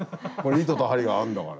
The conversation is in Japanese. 糸と針があるんだから。